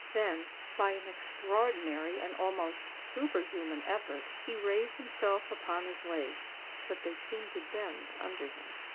Then, by an extraordinary and almost superhuman effort, he raised himself upon his legs: but they seemed to bend under him.